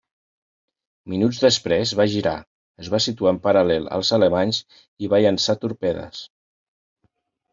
Minuts després va girar, es va situar en paral·lel als alemanys i va llançar torpedes.